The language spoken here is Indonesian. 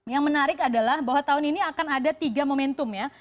yang menarik adalah bahwa tahun ini akan ada tiga momentum ya